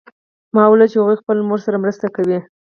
ما ولیدل چې هغوی خپل مور سره مرسته کوي